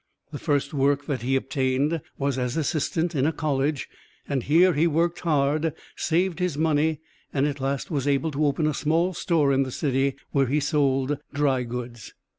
The first work that he obtained was as assistant in a college; here he worked hard, saved his money, and at last he was able to open a small store in the city where he sold dry goods.